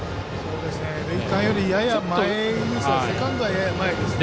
塁間よりやや前めですね。